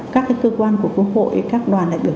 các cơ quan của quốc hội các đoàn đại biểu